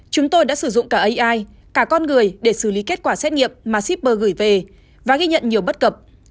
chúng tôi đã sử dụng cả ai cả con người để xử lý kết quả xét nghiệm mà shipper gửi về và ghi nhận nhiều bất cập